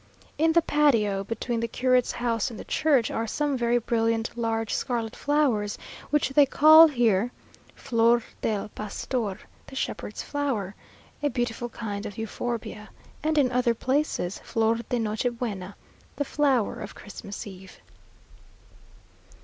In the patio, between the curate's house and the church, are some very brilliant large scarlet flowers, which they call here "flor del pastor," the shepherd's flower; a beautiful kind of euphorbia; and in other places, "flor de noche buena," the flower of Christmas eve.